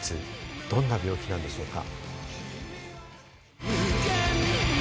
どんな病気なんでしょうか？